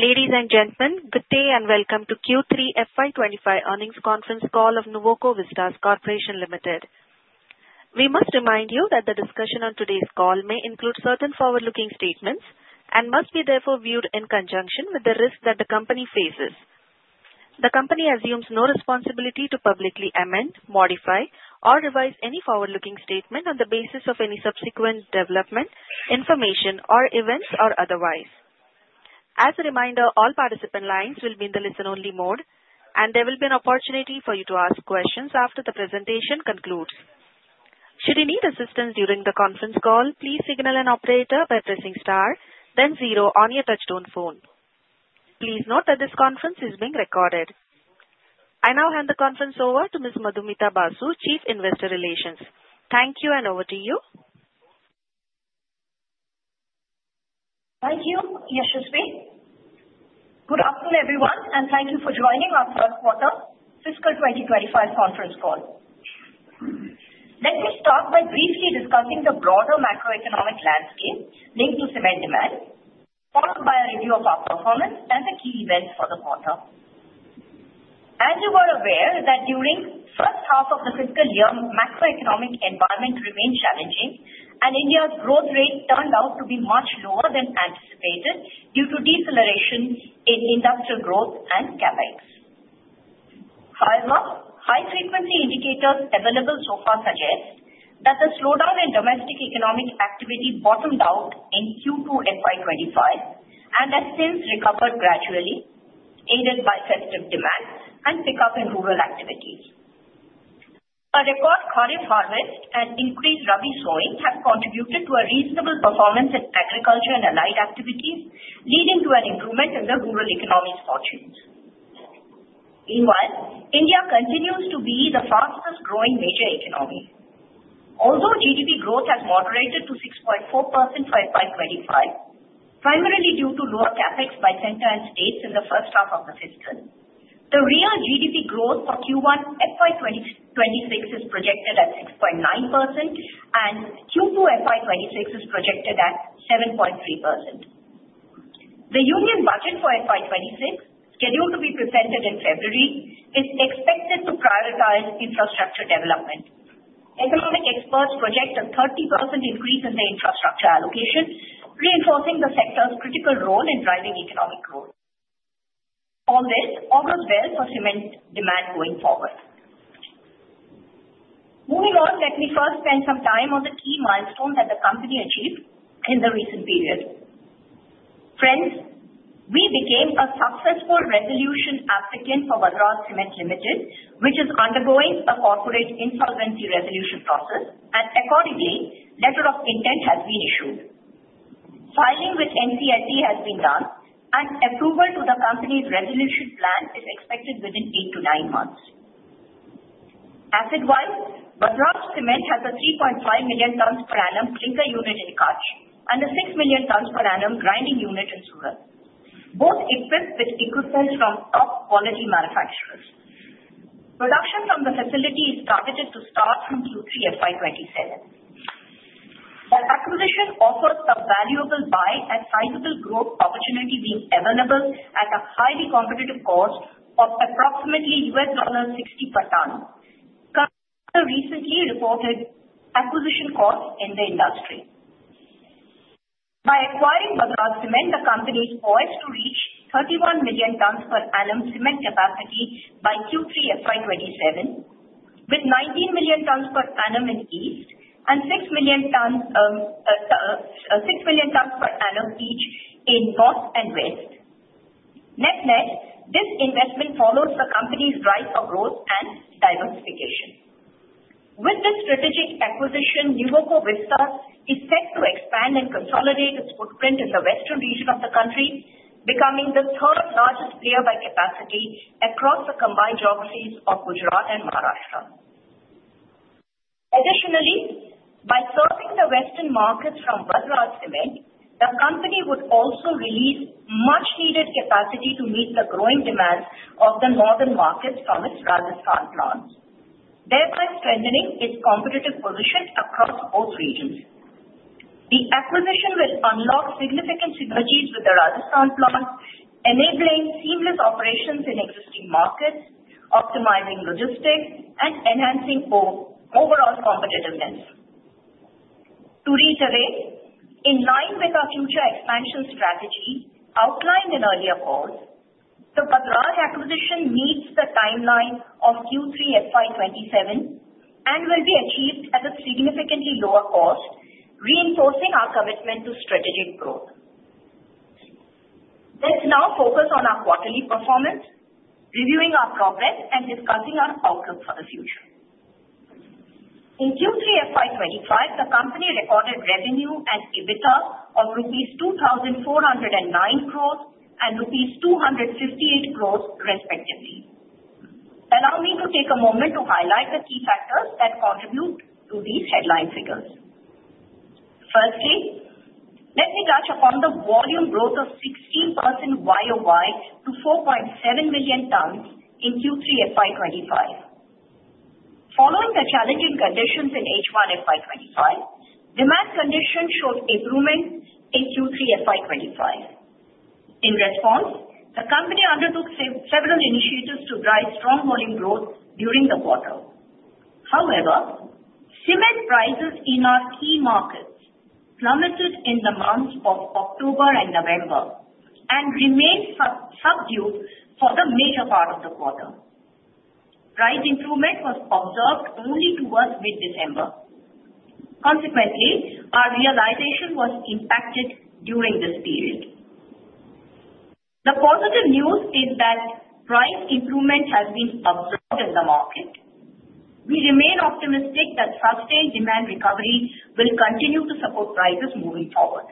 Ladies and gentlemen, good day and welcome to Q3 FY 2025 Earnings Conference Call of Nuvoco Vistas Corporation Limited. We must remind you that the discussion on today's call may include certain forward-looking statements and must be therefore viewed in conjunction with the risk that the company faces. The company assumes no responsibility to publicly amend, modify, or revise any forward-looking statement on the basis of any subsequent development, information, or events, or otherwise. As a reminder, all participant lines will be in the listen-only mode, and there will be an opportunity for you to ask questions after the presentation concludes. Should you need assistance during the conference call, please signal an operator by pressing star, then zero on your touch-tone phone. Please note that this conference is being recorded. I now hand the conference over to Ms. Madhumita Basu, Chief Investor Relations. Thank you, and over to you. Thank you, Yashasvi. Good afternoon, everyone, and thank you for joining our first-quarter fiscal 2025 conference call. Let me start by briefly discussing the broader macroeconomic landscape linked to cement demand, followed by a review of our performance and the key events for the quarter. As you are aware, during the first half of the fiscal year, the macroeconomic environment remained challenging, and India's growth rate turned out to be much lower than anticipated due to deceleration in industrial growth and CapEx. However, high-frequency indicators available so far suggest that the slowdown in domestic economic activity bottomed out in Q2 FY 2025 and has since recovered gradually, aided by sensitive demand and pickup in rural activities. A record Kharif harvest and increased Rabi sowing have contributed to a reasonable performance in agriculture and allied activities, leading to an improvement in the rural economy's fortunes. Meanwhile, India continues to be the fastest-growing major economy. Although GDP growth has moderated to 6.4% for FY 2025, primarily due to lower CapEx by Centre and states in the first half of the fiscal, the real GDP growth for Q1 FY 2026 is projected at 6.9%, and Q2 FY 2026 is projected at 7.3%. The Union Budget for FY 2026, scheduled to be presented in February, is expected to prioritize infrastructure development. Economic experts project a 30% increase in the infrastructure allocation, reinforcing the sector's critical role in driving economic growth. All this augurs well for cement demand going forward. Moving on, let me first spend some time on the key milestones that the company achieved in the recent period. Friends, we became a successful resolution applicant for Vadraj Cement Limited, which is undergoing a corporate insolvency resolution process, and accordingly, a letter of intent has been issued. Filing with NCLT has been done, and approval to the company's resolution plan is expected within eight to nine months. Asset-wise, Vadraj Cement has a 3.5 million tonnes per annum clinker unit in Kutch and a 6 million tonnes per annum grinding unit in Surat. Both equipped with equipment from top-quality manufacturers. Production from the facility is targeted to start from Q3 FY 2027. The acquisition offers a valuable buy and sizable growth opportunity being available at a highly competitive cost of approximately $60 per tonne. Recently reported acquisition costs in the industry. By acquiring Vadraj Cement, the company's overall capacity to reach 31 million tonnes per annum cement capacity by Q3 FY 2027, with 19 million tonnes per annum in East and 6 million tonnes per annum each in North and West. In essence, this investment follows the company's strategy of growth and diversification. With this strategic acquisition, Nuvoco Vistas is set to expand and consolidate its footprint in the Western region of the country, becoming the third-largest player by capacity across the combined geographies of Gujarat and Maharashtra. Additionally, by serving the Western markets from Vadraj Cement, the company would also release much-needed capacity to meet the growing demands of the Northern markets from its Rajasthan plants, thereby strengthening its competitive position across both regions. The acquisition will unlock significant synergies with the Rajasthan plants, enabling seamless operations in existing markets, optimizing logistics, and enhancing overall competitiveness. To reiterate, in line with our future expansion strategy outlined in earlier calls, the Vadraj acquisition meets the timeline of Q3 FY 2027 and will be achieved at a significantly lower cost, reinforcing our commitment to strategic growth. Let's now focus on our quarterly performance, reviewing our progress and discussing our outlook for the future. In Q3 FY 2025, the company recorded revenue and EBITDA of rupees 2,409 crores and rupees 258 crores, respectively. Allow me to take a moment to highlight the key factors that contribute to these headline figures. Firstly, let me touch upon the volume growth of 16% YoY to 4.7 million tonnes in Q3 FY 2025. Following the challenging conditions in H1 FY 2025, demand conditions showed improvement in Q3 FY 2025. In response, the company undertook several initiatives to drive strong volume growth during the quarter. However, cement prices in our key markets plummeted in the months of October and November and remained subdued for the major part of the quarter. Price improvement was observed only towards mid-December. Consequently, our realization was impacted during this period. The positive news is that price improvement has been observed in the market. We remain optimistic that sustained demand recovery will continue to support prices moving forward.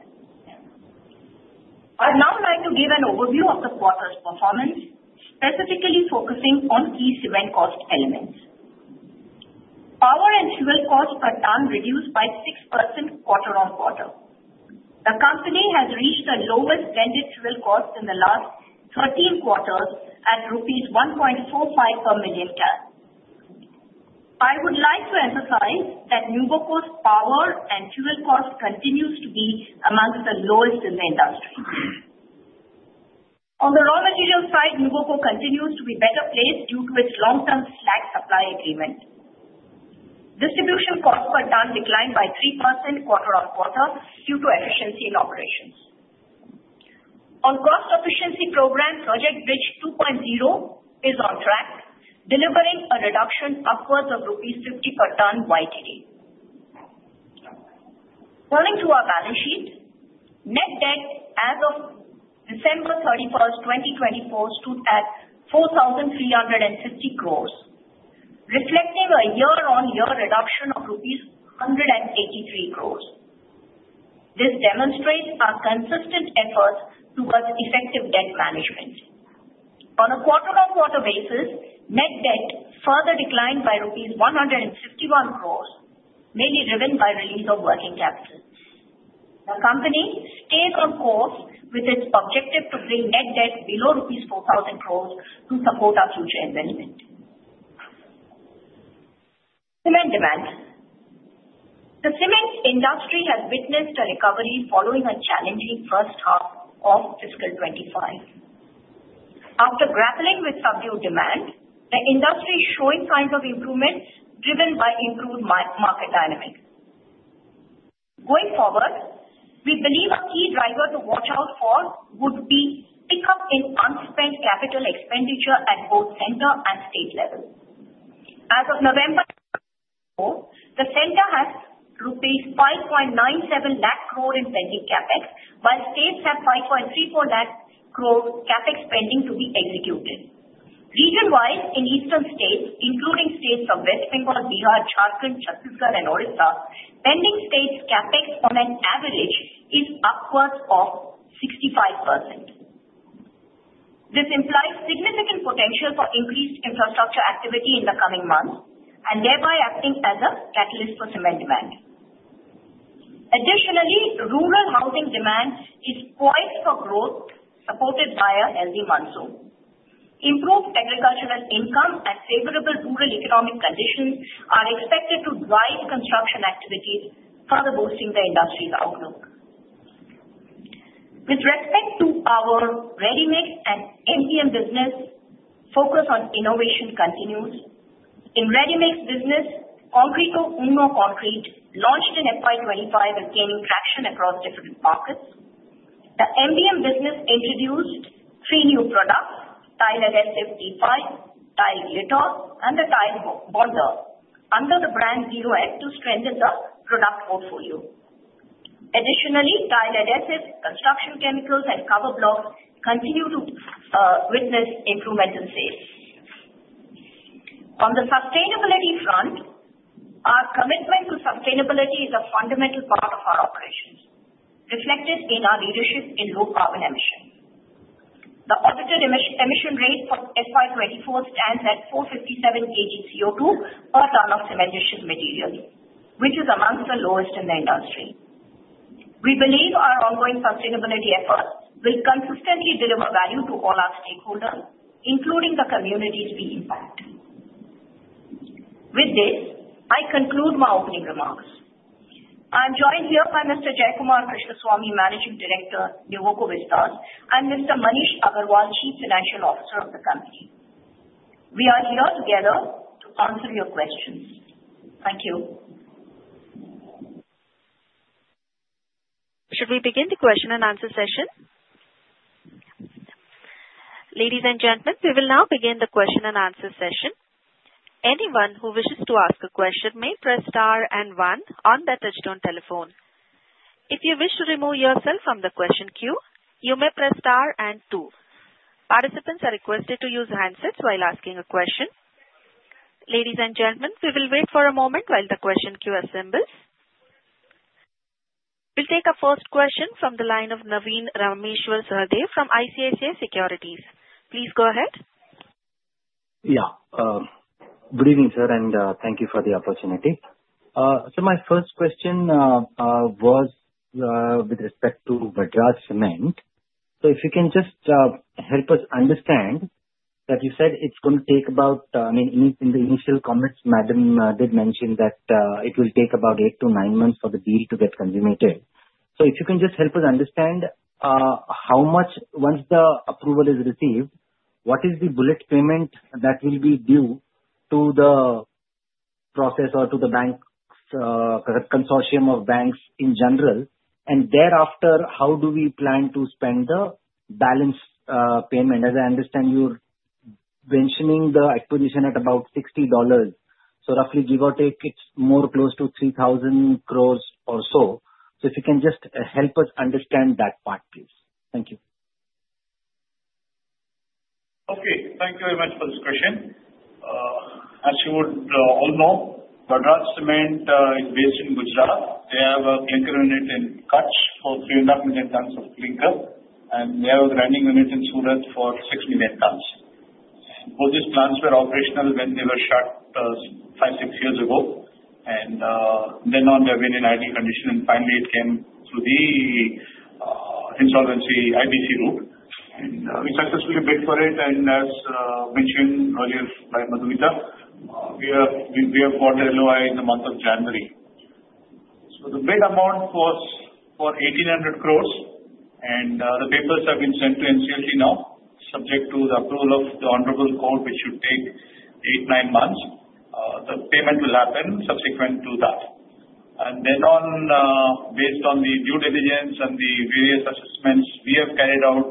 I'd now like to give an overview of the quarter's performance, specifically focusing on key cement cost elements. Power and fuel costs per tonne reduced by 6% quarter on quarter. The company has reached the lowest spending fuel cost in the last 13 quarters at rupees 1.45 per million tonne. I would like to emphasize that Nuvoco's power and fuel cost continues to be amongst the lowest in the industry. On the raw materials side, Nuvoco continues to be better placed due to its long-term slag supply agreement. Distribution cost per tonne declined by 3% quarter on quarter due to efficiency in operations. On cost efficiency program, Project Bridge 2.0 is on track, delivering a reduction upwards of 50 rupees per tonne YTD. Turning to our balance sheet, net debt as of December 31st, 2024, stood at 4,350 crores, reflecting a year-on-year reduction of INR 183 crores. This demonstrates our consistent efforts towards effective debt management. On a quarter-on-quarter basis, net debt further declined by 151 crores rupees, mainly driven by release of working capital. The company stays on course with its objective to bring net debt below rupees 4,000 crores to support our future investment. Cement demand. The cement industry has witnessed a recovery following a challenging first half of fiscal 2025. After grappling with subdued demand, the industry is showing signs of improvement driven by improved market dynamics. Going forward, we believe a key driver to watch out for would be pickup in unspent capital expenditure at both Centre and state levels. As of November, the Centre has rupees 5.97 lakh crore in pending CapEx, while states have 5.34 lakh crore CapEx pending to be executed. Region-wise, in Eastern states, including states of West Bengal, Bihar, Jharkhand, Chhattisgarh, and Odisha, pending states' CapEx on an average is upwards of 65%. This implies significant potential for increased infrastructure activity in the coming months and thereby acting as a catalyst for cement demand. Additionally, rural housing demand is poised for growth, supported by a healthy monsoon. Improved agricultural income and favorable rural economic conditions are expected to drive construction activities further boosting the industry's outlook. With respect to our ready mix and MBM business, focus on innovation continues. In ready mix business, Concreto Uno launched in FY 2025, gaining traction across different markets. The MBM business introduced three new products: Tile Adhesive T5, Tile Grouts, and the Tile Bonder under the brand Zero M to strengthen the product portfolio. Additionally, tile adhesives, construction chemicals, and cover blocks continue to witness improvements in sales. On the sustainability front, our commitment to sustainability is a fundamental part of our operations, reflected in our leadership in low carbon emissions. The audited emission rate for FY 2024 stands at 457 kg CO2 per tonne of cementitious material, which is among the lowest in the industry. We believe our ongoing sustainability efforts will consistently deliver value to all our stakeholders, including the communities we impact. With this, I conclude my opening remarks. I'm joined here by Mr. Jayakumar Krishnaswamy, Managing Director, Nuvoco Vistas, and Mr. Maneesh Agrawal, Chief Financial Officer of the company. We are here together to answer your questions. Thank you. Should we begin the question and answer session? Ladies and gentlemen, we will now begin the question and answer session. Anyone who wishes to ask a question may press star and one on the touch-tone telephone. If you wish to remove yourself from the question queue, you may press star and two. Participants are requested to use handsets while asking a question. Ladies and gentlemen, we will wait for a moment while the question queue assembles. We'll take a first question from the line of Navin Sahadeo from ICICI Securities. Please go ahead. Yeah. Good evening, sir, and thank you for the opportunity. So my first question was with respect to Vadraj Cement. So if you can just help us understand that you said it's going to take about, I mean, in the initial comments, Madam did mention that it will take about eight to nine months for the deal to get consummated. So if you can just help us understand how much, once the approval is received, what is the bullet payment that will be due to the process or to the consortium of banks in general, and thereafter, how do we plan to spend the balance payment? As I understand, you're mentioning the acquisition at about $60. So roughly, give or take, it's more close to 3,000 crores or so. So if you can just help us understand that part, please. Thank you. Okay. Thank you very much for this question. As you would all know, Vadraj Cement is based in Gujarat. They have a clinker unit in Kutch for 3.5 million tonnes of clinker, and they have a grinding unit in Surat for 6 million tonnes. And both these plants were operational when they were shut five, six years ago, and then on, they've been in idle condition, and finally, it came through the insolvency IBC route. And we successfully bid for it, and as mentioned earlier by Madhumita, we have got the LOI in the month of January. So the bid amount was for 1,800 crores, and the papers have been sent to NCLT now, subject to the approval of the Honorable Court, which should take eight, nine months. The payment will happen subsequent to that. And then, on the basis of the due diligence and the various assessments we have carried out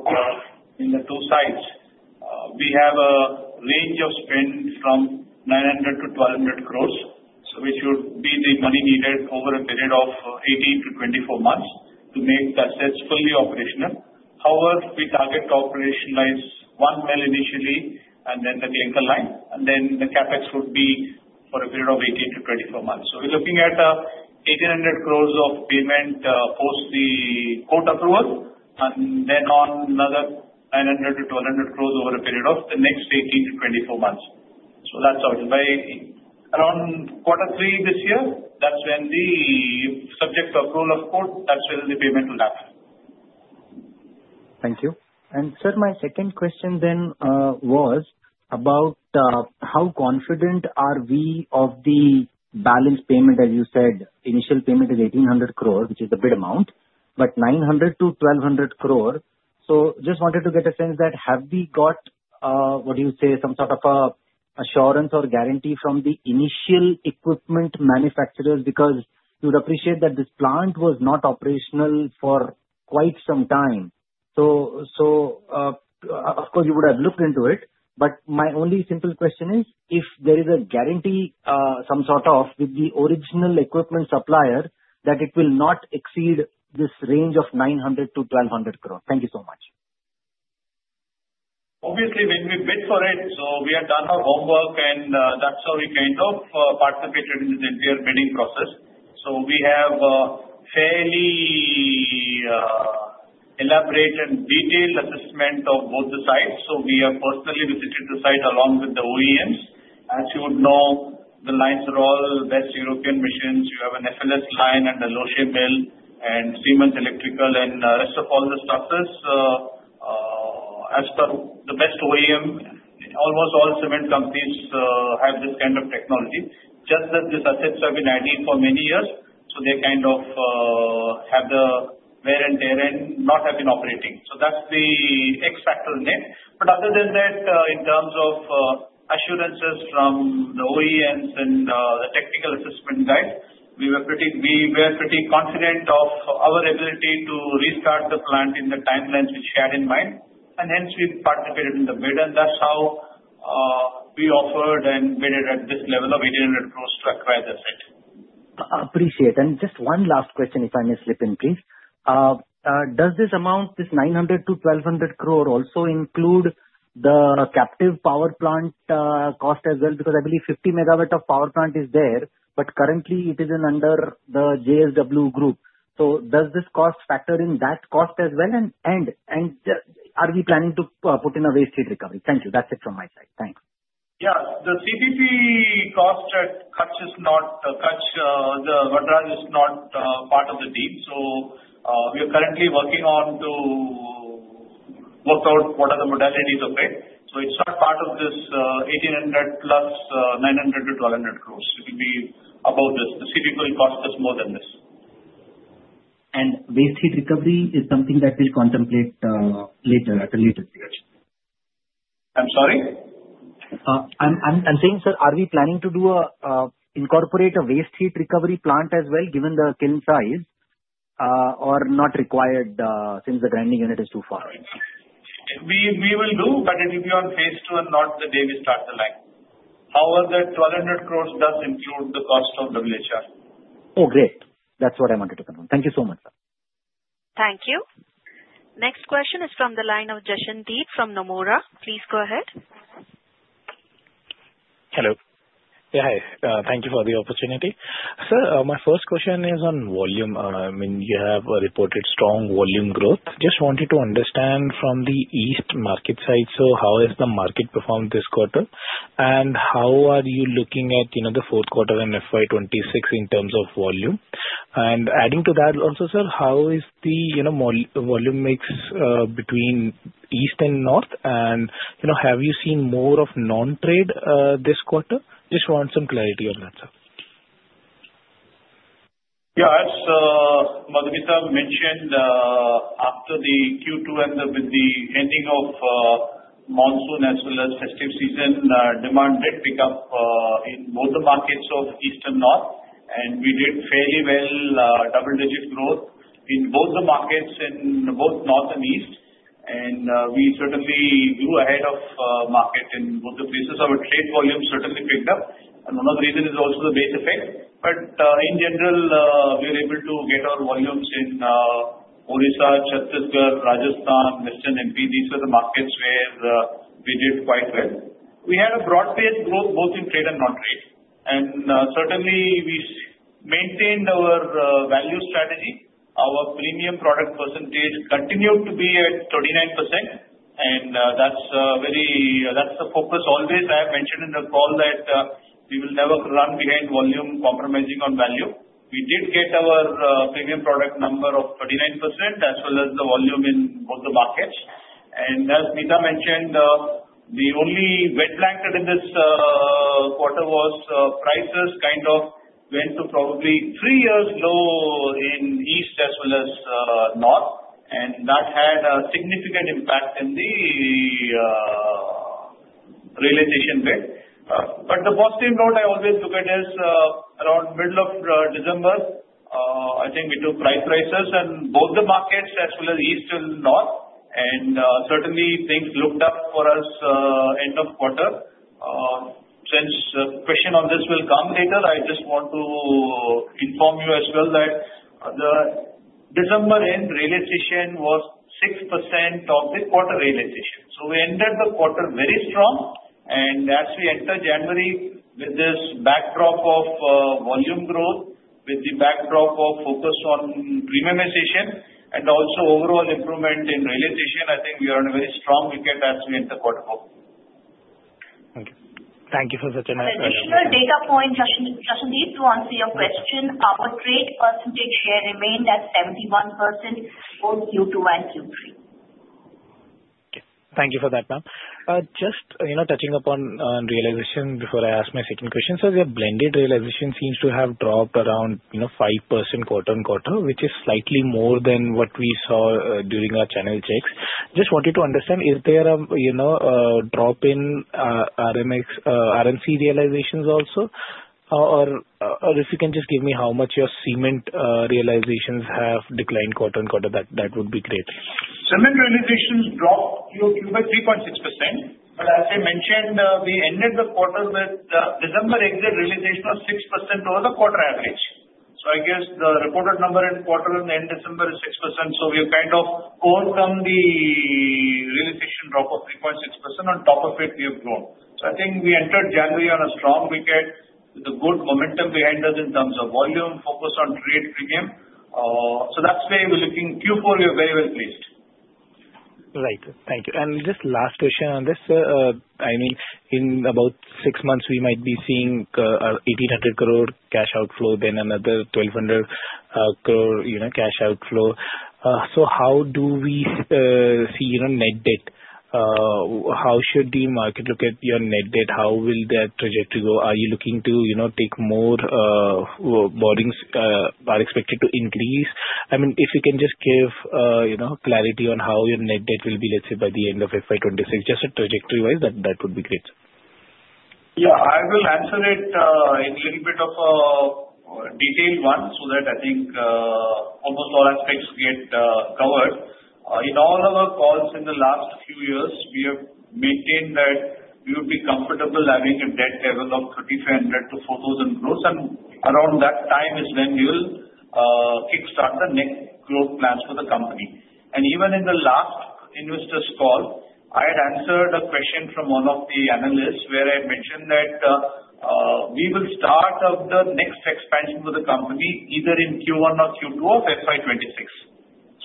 in the two sites, we have a range of spend from 900 crores-1,200 crores, which would be the money needed over a period of 18-24 months to make the sites fully operational. However, we target to operationalize one line initially and then the clinker line, and then the CapEx would be for a period of 18-24 months. So we're looking at 1,800 crores of payment post the court approval, and then another 900 crores-1,200 crores over a period of the next 18-24 months. So that's how it is. By around quarter three this year, that's when, subject to approval of court, the payment will happen. Thank you. And sir, my second question then was about how confident are we of the balance payment, as you said, initial payment is 1,800 crore, which is the bid amount, but 900 crore-1,200 crore. So just wanted to get a sense that have we got, what do you say, some sort of assurance or guarantee from the original equipment manufacturers? Because you'd appreciate that this plant was not operational for quite some time. So of course, you would have looked into it, but my only simple question is if there is a guarantee, some sort of, with the original equipment supplier that it will not exceed this range of 900 crore-1,200 crore. Thank you so much. Obviously, when we bid for it, we had done our homework, and that's how we kind of participated in the entire bidding process. So we have a fairly elaborate and detailed assessment of both the sites. So we have personally visited the site along with the OEMs. As you would know, the lines are all best European machines. You have an FLS line and a Loesche Mill and Siemens Electrical and rest of all the structures. As per the best OEM, almost all cement companies have this kind of technology. Just that these assets have been idle for many years, so they kind of have the wear and tear and not have been operating. So that's the X factor in it. But other than that, in terms of assurances from the OEMs and the technical assessment guys, we were pretty confident of our ability to restart the plant in the timelines we shared in mind, and hence we participated in the bid, and that's how we offered and bid at this level of 1,800 crores to acquire the assets. Appreciate. And just one last question, if I may slip in, please. Does this amount, this 900 crore-1,200 crore, also include the captive power plant cost as well? Because I believe 50 MW of power plant is there, but currently, it is under the JSW Group. So does this cost factor in that cost as well? And are we planning to put in a waste heat recovery? Thank you. That's it from my side. Thanks. Yeah. The CPP cost at Kutch is not. Kutch, the Vadraj is not part of the deal. So we are currently working on to work out what are the modalities of it. So it's not part of this 1,800 plus 900 crores-1,200 crores. It will be above this. The CPP cost is more than this. Waste heat recovery is something that we'll contemplate later at a later stage. I'm sorry? I'm saying, sir, are we planning to incorporate a waste heat recovery plant as well, given the kiln size, or not required since the grinding unit is too far? We will do, but it will be on phase II and not the day we start the line. However, the 1,200 crores does include the cost of WHR. Oh, great. That's what I wanted to confirm. Thank you so much, sir. Thank you. Next question is from the line of Jashandeep from Nomura. Please go ahead. Hello. Yeah, hi. Thank you for the opportunity. Sir, my first question is on volume. I mean, you have reported strong volume growth. Just wanted to understand from the East market side, sir, how has the market performed this quarter? And how are you looking at the fourth quarter and FY 2026 in terms of volume? And adding to that also, sir, how is the volume mix between East and North? And have you seen more of non-trade this quarter? Just want some clarity on that, sir. Yeah. As Madhumita mentioned, after the Q2 ended with the ending of monsoon as well as festive season, demand did pick up in both the markets of East and North, and we did fairly well double-digit growth in both the markets in both North and East. And we certainly grew ahead of market in both the places. Our trade volume certainly picked up, and one of the reasons is also the base effect. But in general, we were able to get our volumes in Odisha, Chhattisgarh, Rajasthan, Western MP, these were the markets where we did quite well. We had a broad-based growth both in trade and non-trade. And certainly, we maintained our value strategy. Our premium product percentage continued to be at 39%, and that's the focus always. I have mentioned in the call that we will never run behind volume compromising on value. We did get our premium product number of 39% as well as the volume in both the markets. And as Mita mentioned, the only headwind in this quarter was prices kind of went to probably three-year low in East as well as North, and that had a significant impact in the realization bit. But the positive note I always look at is around middle of December, I think we took price rises in both the markets as well as East and North, and certainly, things looked up for us end of quarter. Since the question on this will come later, I just want to inform you as well that the December end realization was 6% above the quarter realization. We ended the quarter very strong, and as we enter January with this backdrop of volume growth, with the backdrop of focus on premiumization and also overall improvement in realization. I think we are on a very strong footing as we enter quarter four. Thank you. Thank you for such an explanation. Additional data point, Jashandeep, to answer your question, our trade percentage here remained at 71% both Q2 and Q3. Okay. Thank you for that, ma'am. Just touching upon realization before I ask my second question, sir, your blended realization seems to have dropped around 5% quarter-on-quarter, which is slightly more than what we saw during our channel checks. Just wanted to understand, is there a drop in RMC realizations also? Or if you can just give me how much your cement realizations have declined quarter-on-quarter, that would be great. Cement realizations dropped Q2 by 3.6%, but as I mentioned, we ended the quarter with December exit realization of 6% over the quarter average, so I guess the reported number in quarter in the end of December is 6%, so we have kind of overcome the realization drop of 3.6%. On top of it, we have grown, so I think we entered January on a strong weekend with a good momentum behind us in terms of volume, focus on trade premium, so that's where we're looking. Q4, we are very well placed. Right. Thank you and just last question on this, sir. I mean, in about six months, we might be seeing 1,800 crore cash outflow, then another 1,200 crore cash outflow. So how do we see net debt? How should the market look at your net debt? How will that trajectory go? Are you looking to take more borrowings? Are you expected to increase? I mean, if you can just give clarity on how your net debt will be, let's say, by the end of FY 2026, just a trajectory-wise, that would be great. Yeah. I will answer it in a little bit of a detailed one so that I think almost all aspects get covered. In all our calls in the last few years, we have maintained that we would be comfortable having a debt level of 3,500 crores-4,000 crores, and around that time is when we will kickstart the next growth plans for the company. And even in the last investors' call, I had answered a question from one of the analysts where I mentioned that we will start up the next expansion for the company either in Q1 or Q2 of FY 2026.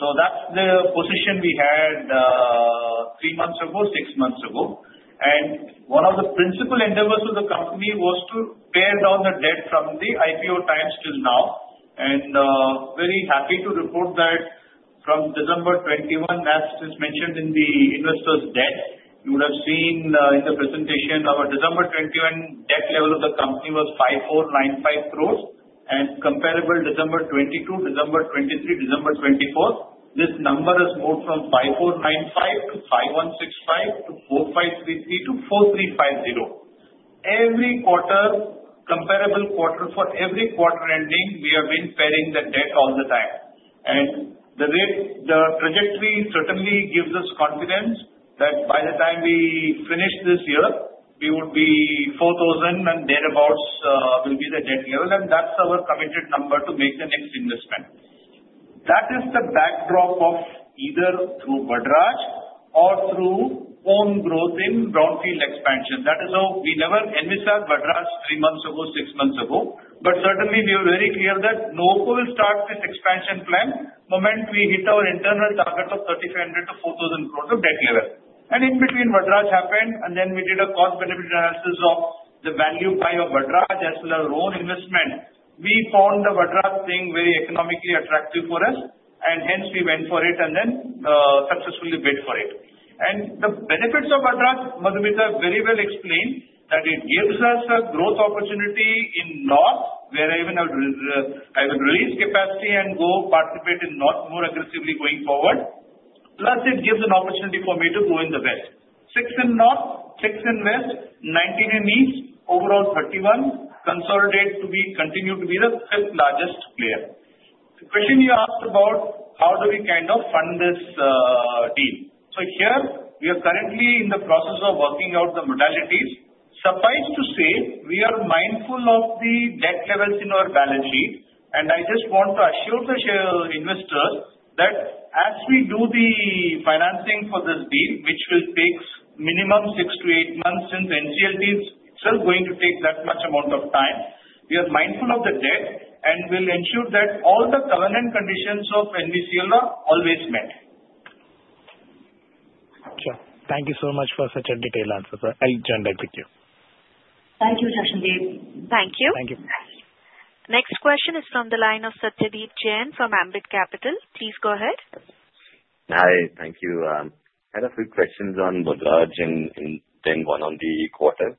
So that's the position we had three months ago, six months ago. And one of the principal endeavors of the company was to pare down the debt from the IPO times till now. And very happy to report that from December 2021, as just mentioned in the investors' deck, you would have seen in the presentation our December 2021 debt level of the company was 5,495 crores. And comparable December 2022, December 2023, December 2024, this number has moved from 5,495 crores to 5,165 crores to 4,533 crores to 4,350 crores. Every quarter, comparable quarter for every quarter ending, we have been paring the debt all the time. And the trajectory certainly gives us confidence that by the time we finish this year, we would be 4,000 crores and thereabouts will be the debt level, and that's our committed number to make the next investment. That is the backdrop of either through Vadraj or through own growth in brownfield expansion. That is how we never envisaged Vadraj three months ago, six months ago, but certainly, we were very clear that Nuvoco will start this expansion plan the moment we hit our internal target of 3,500 crores-4,000 crores of debt level. And in between, Vadraj happened, and then we did a cost-benefit analysis of the value pie of Vadraj as well as our own investment. We found the Vadraj being very economically attractive for us, and hence we went for it and then successfully bid for it. And the benefits of Vadraj, Madhumita, very well explained that it gives us a growth opportunity in North where I will release capacity and go participate in North more aggressively going forward. Plus, it gives an opportunity for me to grow in the West. Six in North, six in West, 90 in East, overall 31, consolidate to continue to be the fifth largest player. The question you asked about, how do we kind of fund this deal? So here, we are currently in the process of working out the modalities. Suffice to say, we are mindful of the debt levels in our balance sheet, and I just want to assure the investors that as we do the financing for this deal, which will take minimum six to eight months since NCLT is still going to take that much amount of time, we are mindful of the debt and will ensure that all the governance conditions of NVCL are always met. Sure. Thank you so much for such a detailed answer, sir. I'll turn it back to you. Thank you, Jashandeep. Thank you. Thank you. Next question is from the line of Satyadeep Jain from Ambit Capital. Please go ahead. Hi. Thank you. I had a few questions on Vadraj and then one on the quarter.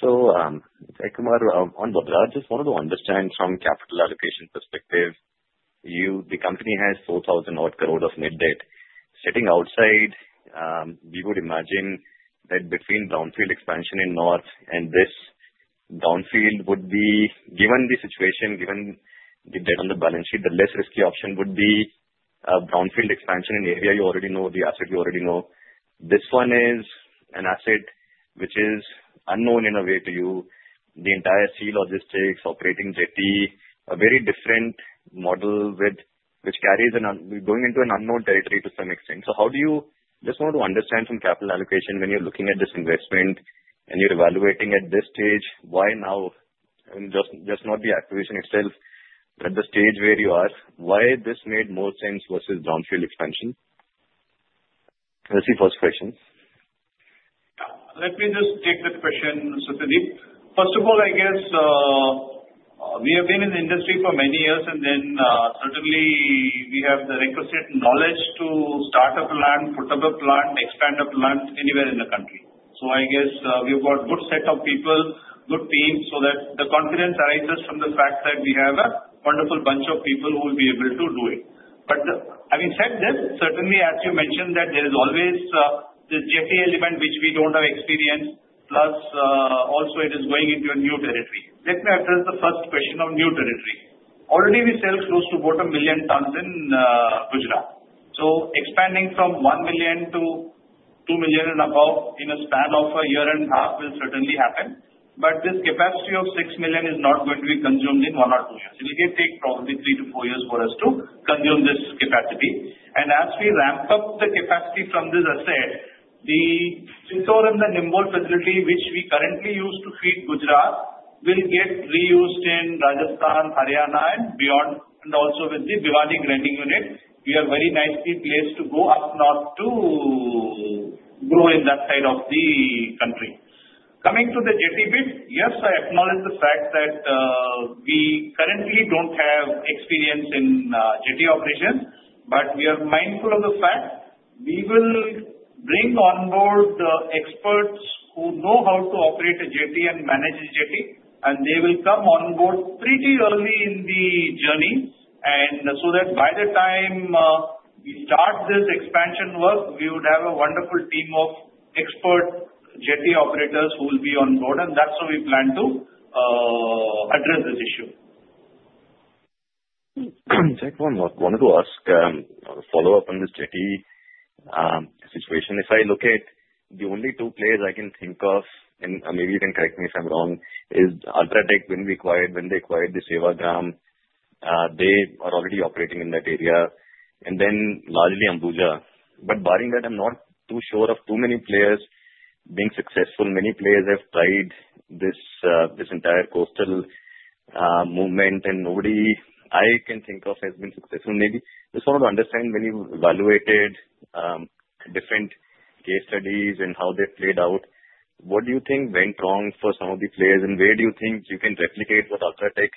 So on Vadraj, just wanted to understand from capital allocation perspective, the company has 4,000 crore-odd of net debt. Sitting outside, we would imagine that between brownfield expansion in North and this, brownfield would be, given the situation, given the debt on the balance sheet, the less risky option would be a brownfield expansion in area you already know, the asset you already know. This one is an asset which is unknown in a way to you. The entire sea logistics, operating jetty, a very different model with which carries an going into an unknown territory to some extent. So how do you just want to understand from capital allocation when you're looking at this investment and you're evaluating at this stage, why now, just not the acquisition itself, but the stage where you are, why this made more sense versus brownfield expansion? Let's see first question. Let me just take that question, Satyadeep. First of all, I guess we have been in the industry for many years, and then certainly, we have the requisite knowledge to start a plant, put up a plant, expand a plant anywhere in the country. So I guess we've got a good set of people, good team, so that the confidence arises from the fact that we have a wonderful bunch of people who will be able to do it. But having said this, certainly, as you mentioned that there is always the jetty element which we don't have experience, plus also it is going into a new territory. Let me address the first question of new territory. Already, we sell close to about a million tonnes in Gujarat. So expanding from one million to two million and above in a span of a year and a half will certainly happen. But this capacity of six million is not going to be consumed in one or two years. It will take probably three to four years for us to consume this capacity. And as we ramp up the capacity from this asset, the Chittor and the Nimbol facility, which we currently use to feed Gujarat, will get reused in Rajasthan, Haryana, and beyond, and also with the Bhiwani grinding unit. We are very nicely placed to go up North to grow in that side of the country. Coming to the jetty bit, yes, I acknowledge the fact that we currently don't have experience in jetty operations, but we are mindful of the fact we will bring on board the experts who know how to operate a jetty and manage a jetty, and they will come on board pretty early in the journey. By the time we start this expansion work, we would have a wonderful team of expert jetty operators who will be on board, and that's how we plan to address this issue. Thank you. One more thing I wanted to ask, a follow-up on this jetty situation. If I look at the only two players I can think of, and maybe you can correct me if I'm wrong, is UltraTech when we acquired, when they acquired the Sewagram, they are already operating in that area, and then largely Ambuja. But barring that, I'm not too sure of too many players being successful. Many players have tried this entire coastal movement, and nobody I can think of has been successful. Maybe just wanted to understand when you evaluated different case studies and how they played out, what do you think went wrong for some of the players, and where do you think you can replicate what UltraTech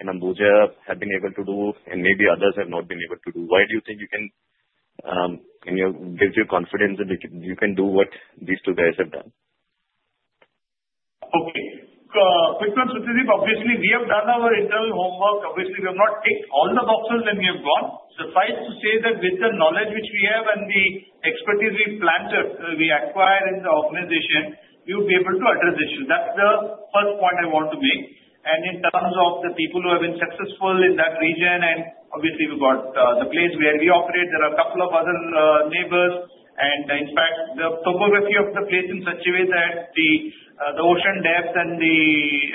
and Ambuja have been able to do, and maybe others have not been able to do? Why do you think you can, and gives you confidence that you can do what these two guys have done? Okay. First of all, Satyadeep, obviously, we have done our internal homework. Obviously, we have not ticked all the boxes when we have gone. Suffice to say that with the knowledge which we have and the expertise we acquired in the organization, we would be able to address the issue. That's the first point I want to make. And in terms of the people who have been successful in that region, and obviously, we've got the place where we operate, there are a couple of other neighbors, and in fact, the topography of the place in such a way that the ocean depth and the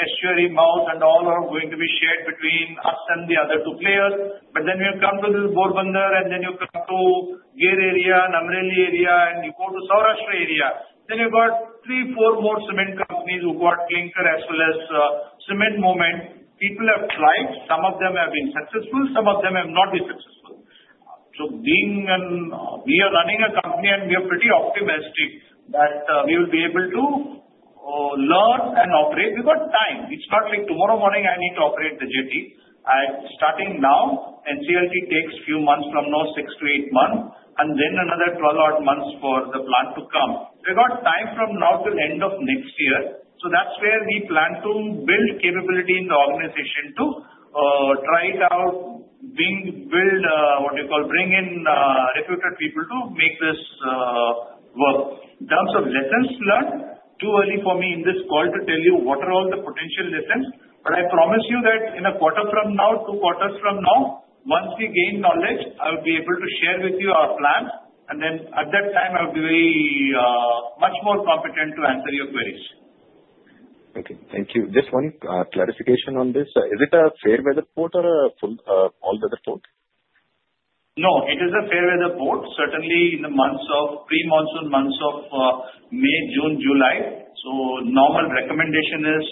estuary mouth and all are going to be shared between us and the other two players. But then we have come to this Porbandar, and then you come to Gir area, Amreli area, and you go to Saurashtra area. Then you've got three, four more cement companies who've got clinker as well as cement movement. People have tried. Some of them have been successful. Some of them have not been successful. So being an we are running a company, and we are pretty optimistic that we will be able to learn and operate. We've got time. It's not like tomorrow morning I need to operate the jetty. Starting now, NCLT takes a few months from now, six-to-eight months, and then another 12-odd months for the plant to come. We've got time from now till end of next year. So that's where we plan to build capability in the organization to try it out, build what you call bring in recruited people to make this work. In terms of lessons learned, too early for me in this call to tell you what are all the potential lessons, but I promise you that in a quarter from now, two quarters from now, once we gain knowledge, I will be able to share with you our plan, and then at that time, I will be much more competent to answer your queries. Okay. Thank you. Just one clarification on this. Is it a fair weather port or an all-weather port? No. It is a fair weather port. Certainly, in the months of pre-monsoon months of May, June, July, so normal recommendation is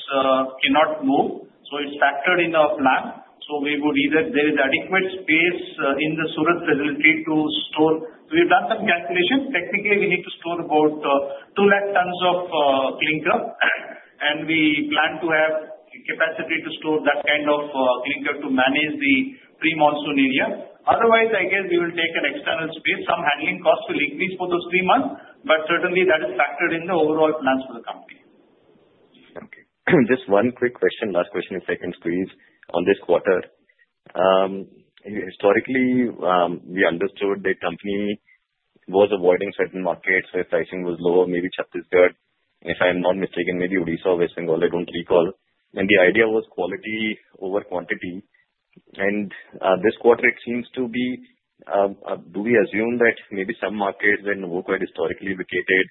cannot move. So it's factored in our plan. So we would either there is adequate space in the Surat facility to store. So we've done some calculation. Technically, we need to store about two lakh tonnes of clinker, and we plan to have capacity to store that kind of clinker to manage the pre-monsoon area. Otherwise, I guess we will take an external space. Some handling costs will increase for those three months, but certainly, that is factored in the overall plans for the company. Okay. Just one quick question, last question if I can squeeze on this quarter. Historically, we understood the company was avoiding certain markets where pricing was lower, maybe Chhattisgarh, if I'm not mistaken, maybe Odisha, West Bengal. I don't recall. And the idea was quality over quantity. And this quarter, it seems to be do we assume that maybe some markets that were quite historically vacated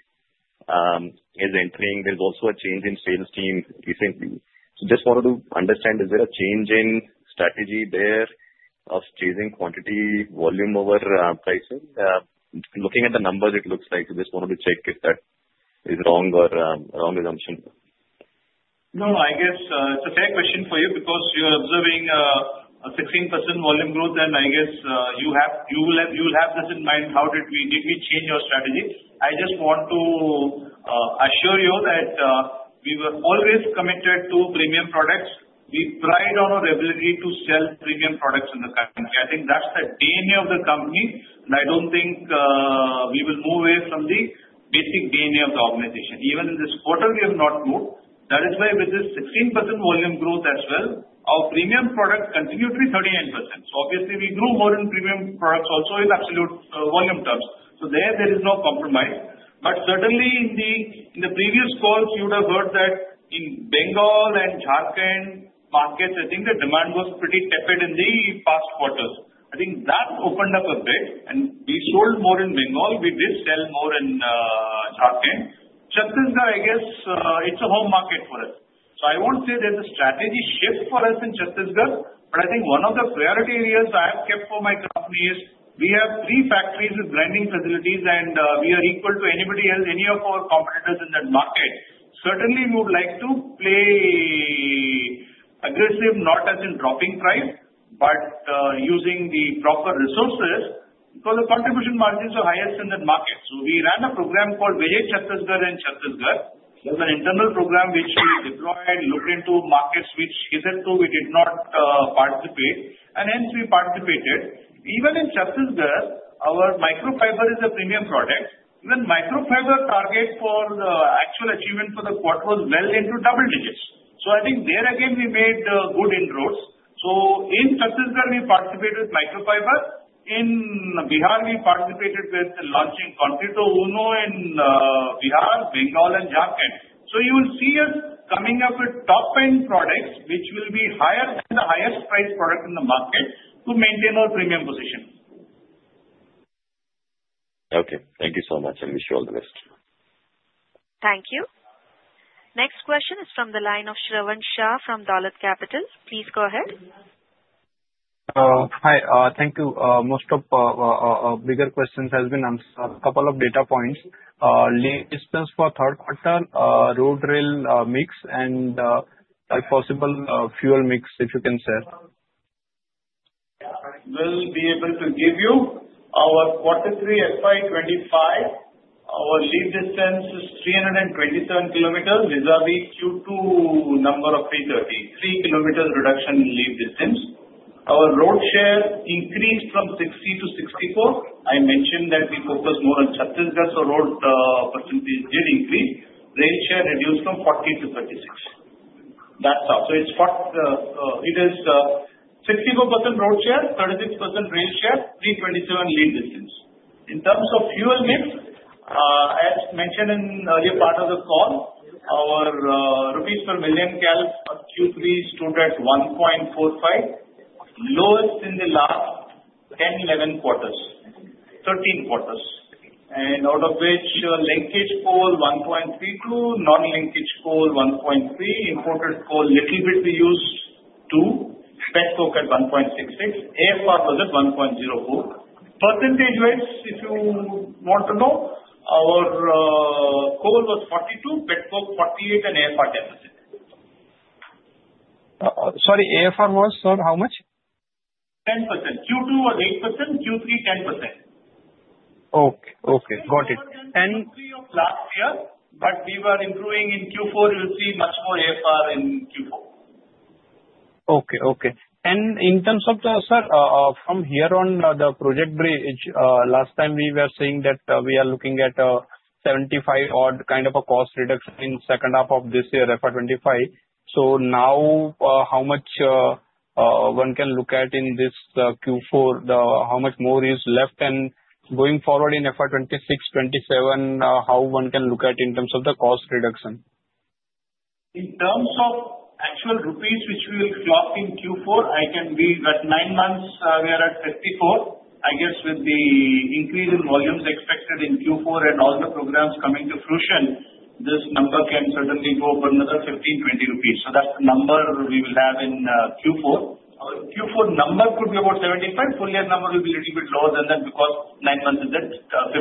is entering. There's also a change in sales team recently. So just wanted to understand, is there a change in strategy there of chasing quantity, volume over pricing? Looking at the numbers, it looks like I just wanted to check if that is wrong or a wrong assumption. No. I guess it's a fair question for you because you're observing a 16% volume growth, and I guess you will have this in mind. How did we change our strategy? I just want to assure you that we were always committed to premium products. We pride on our ability to sell premium products in the company. I think that's the DNA of the company, and I don't think we will move away from the basic DNA of the organization. Even in this quarter, we have not moved. That is why with this 16% volume growth as well, our premium product continued to be 39%. So obviously, we grew more in premium products also in absolute volume terms. So there, there is no compromise. But certainly, in the previous calls, you would have heard that in Bengal and Jharkhand markets, I think the demand was pretty tepid in the past quarters. I think that opened up a bit, and we sold more in Bengal. We did sell more in Jharkhand. Chhattisgarh, I guess it's a home market for us. So I won't say there's a strategy shift for us in Chhattisgarh, but I think one of the priority areas I have kept for my company is we have three factories with grinding facilities, and we are equal to anybody else, any of our competitors in that market. Certainly, we would like to play aggressive, not as in dropping price, but using the proper resources because the contribution margins are highest in that market. So we ran a program called Vijay Chhattisgarh and Chhattisgarh. There's an internal program which we deployed, looked into markets which he said we did not participate, and hence we participated. Even in Chhattisgarh, our Microfiber is a premium product. Even Microfiber target for the actual achievement for the quarter was well into double digits. So I think there again we made good inroads. So in Chhattisgarh, we participated with Microfiber. In Bihar, we participated with launching Concreto Uno in Bihar, Bengal, and Jharkhand. So you will see us coming up with top-end products which will be higher than the highest priced product in the market to maintain our premium position. Okay. Thank you so much. I wish you all the best. Thank you. Next question is from the line of Shravan Shah from Dolat Capital. Please go ahead. Hi. Thank you. Most of our bigger questions have been answered. A couple of data points. Lead distance for third quarter, road rail mix, and if possible, fuel mix if you can share. We'll be able to give you our quarter three FY 2025. Our lead distance is 327 km vis-à-vis Q2 number of 330 km, three km reduction in lead distance. Our road share increased from 60%-64%. I mentioned that we focus more on Chhattisgarh, so road percentage did increase. Rail share reduced from 40%-36%. That's all. So it is 64% road share, 36% rail share, 327 km lead distance. In terms of fuel mix, as mentioned in earlier part of the call, our INR per million kcal Q3 stood at 1.45, lowest in the last 10, 11 quarters, 13 quarters. And out of which, linkage coal 1.32, non-linkage coal 1.3, imported coal little bit we used two, petcoke at 1.66, AFR was at 1.02. Percentagewise, if you want to know, our coal was 42%, petcoke 48%, and AFR 10%. Sorry, AFR was, sir, how much? 10%. Q2 was 8%, Q3 10%. Okay. Got it. Q3 of last year, but we were improving in Q4. You'll see much more AFR in Q4. Okay. Okay. And in terms of the sir, from here on the project bridge, last time we were saying that we are looking at a 75-odd kind of a cost reduction in second half of this year, FY 2025. So now how much one can look at in this Q4? How much more is left? And going forward in FY 2026, 27, how one can look at in terms of the cost reduction? In terms of actual rupees which we will clock in Q4, as can be at nine months, we are at 54. I guess with the increase in volumes expected in Q4 and all the programs coming to fruition, this number can certainly go up another 15-20 rupees. So that's the number we will have in Q4. Our Q4 number could be about 75. Full year number will be a little bit lower than that because nine months is at 54.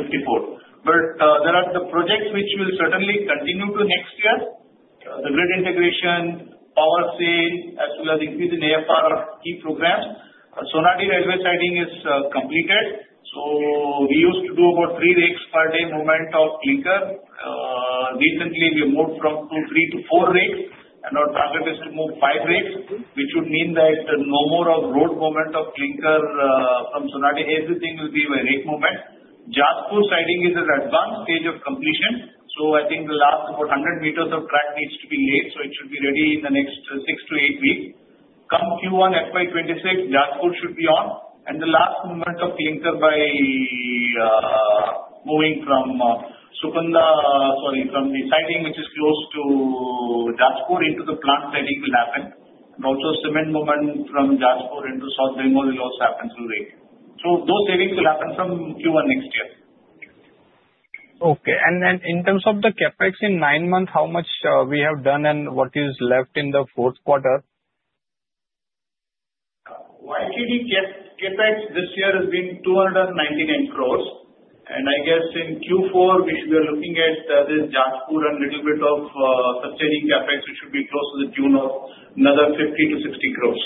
But there are the projects which will certainly continue to next year, the grid integration, power sale, as well as increase in AFR of key programs. Sonadih railway siding is completed. So we used to do about three rakes per day movement of clinker. Recently, we moved from two, three to four rakes, and our target is to move five rakes, which would mean that no more of road movement of clinker from Sonadih. Everything will be by rake movement. Jharkhand siding is at advanced stage of completion. So I think the last about 100 meters of track needs to be laid, so it should be ready in the next six to eight weeks. Come Q1, FY 2026, Jharkhand should be on, and the last movement of clinker by moving from Sukinda, sorry, from the siding which is close to Jharkhand into the plant siding will happen. And also cement movement from Jharkhand into South Bengal will also happen through rake. So those savings will happen from Q1 next year. Okay. And then in terms of the CapEx in nine months, how much we have done and what is left in the fourth quarter? YTD CapEx this year has been 299 crores, and I guess in Q4, which we are looking at, there is Jharkhand and a little bit of subsidiary CapEx, which should be close to the tune of another 50 crores-60 crores.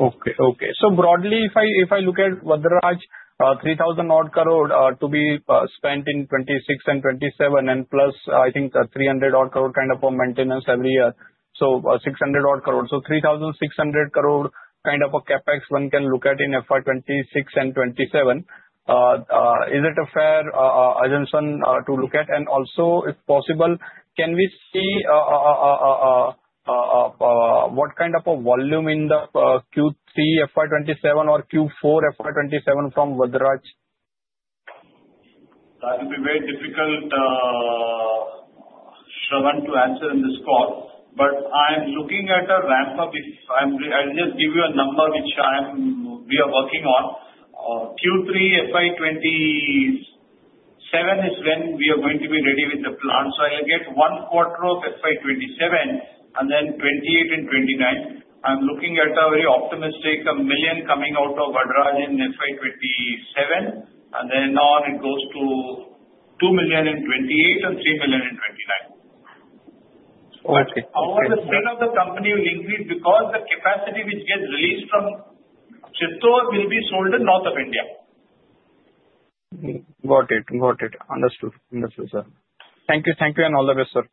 Okay. Okay. So broadly, if I look at Vadraj, 3,000-odd crore to be spent in 2026 and 2027, and plus I think 300-odd crore kind of a maintenance every year, so 600-odd crore. So 3,600-odd crore kind of a CapEx one can look at in FY 2026 and 2027. Is it a fair assumption to look at? And also, if possible, can we see what kind of a volume in the Q3 FY 2027 or Q4 FY 2027 from Vadraj? That would be very difficult, Shravan, to answer in this call. But I'm looking at a ramp-up. I'll just give you a number which we are working on. Q3 FY 2027 is when we are going to be ready with the plant. So I'll get one quarter of FY 2027 and then 2028 and 2029. I'm looking at a very optimistic a million coming out of Vadraj in FY 2027, and then on it goes to two million in 2028 and three million in 2029. Okay. Our spend of the company will increase because the capacity which gets released from Chhattisgarh will be sold in North of India. Got it. Got it. Understood. Understood, sir. Thank you. Thank you and all the best, sir.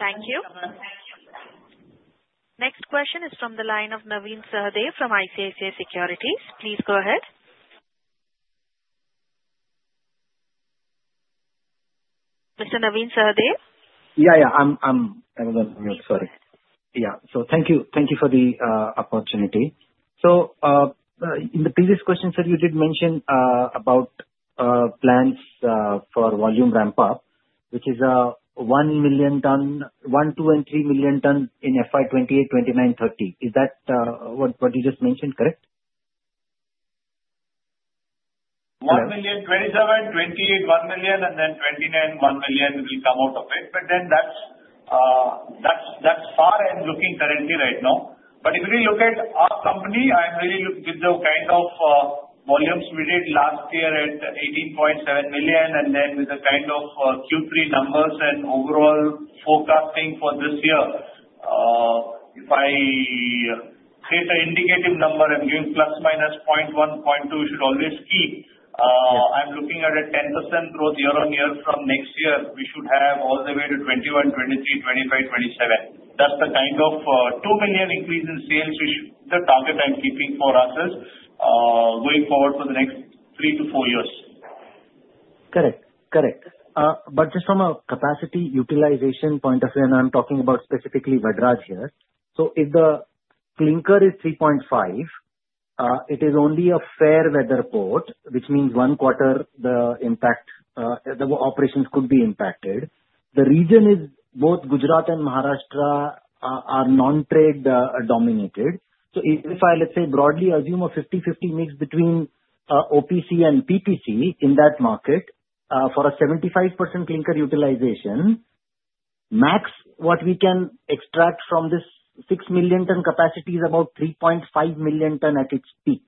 Thank you. Next question is from the line of Navin Sahadeo from ICICI Securities. Please go ahead. Mr. Navin Sahadeo. So thank you. Thank you for the opportunity. So in the previous question, sir, you did mention about plans for volume ramp-up, which is one million ton, one, two, and three million ton in FY 2028, FY 2029, FY 2030. Is that what you just mentioned? Correct? One million 2027, 2028, one million, and then 2029, one million will come out of it. But then that's far I'm looking currently right now. But if we look at our company, I'm really looking with the kind of volumes we did last year at 18.7 million, and then with the kind of Q3 numbers and overall forecasting for this year. If I create an indicative number, I'm giving plus minus 0.1, 0.2, we should always keep. I'm looking at a 10% growth year-on-year from next year. We should have all the way to 2021, 2023, 2025, 2027. That's the kind of two million increase in sales which the target I'm keeping for us is going forward for the next three to four years. Correct. Correct. But just from a capacity utilization point of view, and I'm talking about specifically Vadraj here, so if the clinker is 3.5, it is only a fair-weather port, which means one quarter the operations could be impacted. The region, both Gujarat and Maharashtra, are non-trade dominated. So if I, let's say, broadly assume a 50/50 mix between OPC and PPC in that market for a 75% clinker utilization, max what we can extract from this six million ton capacity is about 3.5 million tonnes at its peak.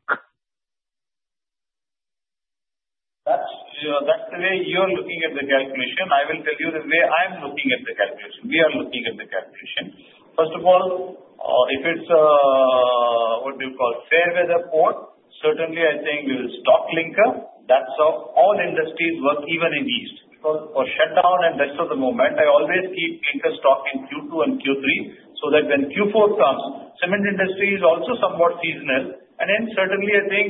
That's the way you're looking at the calculation. I will tell you the way I'm looking at the calculation. We are looking at the calculation. First of all, if it's a what do you call fair weather port, certainly I think we will stock clinker. That's how all industries work, even in the East. Because for shutdown and rest of the movement, I always keep clinker stock in Q2 and Q3 so that when Q4 comes, cement industry is also somewhat seasonal. And then certainly, I think